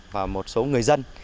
và một số người dân